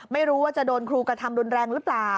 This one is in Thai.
ไม่รู้ว่าจะโดนครูกระทำรุนแรงหรือเปล่า